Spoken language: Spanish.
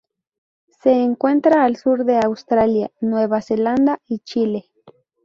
Se encuentra al sur de Australia, Nueva Zelanda y Chile.